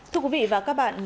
thưa quý vị và các bạn